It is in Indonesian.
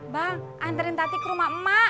bang antarin tati ke rumah mak